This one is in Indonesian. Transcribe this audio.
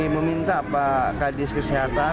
meminta pak kadis kesehatan